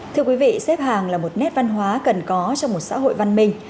thưa quý vị xếp hàng là một nét văn hóa cần có trong một xã hội văn minh